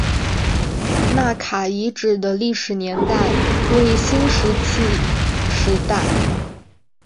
纳卡遗址的历史年代为新石器时代。